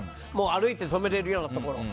歩いて止められるようなところを。